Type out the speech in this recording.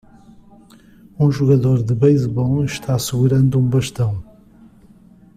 Um jogador de beisebol está segurando um bastão.